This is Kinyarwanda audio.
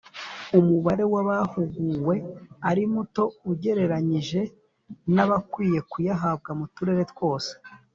umubare w abahuguwe ari muto ugereranyije n abakwiye kuyahabwa mu turere twose